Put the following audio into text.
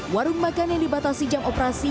warung makan yang dibatasi jam operasi